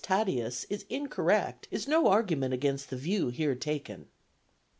Tatius is incorrect is no argument against the view here taken.